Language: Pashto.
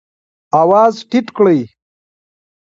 آواز ټیټ کړئ